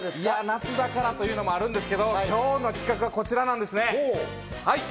夏だからというのもあるんですが、今日の企画がこちらなんですね、はい。